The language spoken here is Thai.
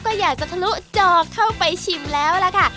ก็อยากจะทะลุจอเข้าไปชิมแล้วล่ะค่ะ